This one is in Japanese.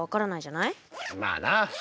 まあな。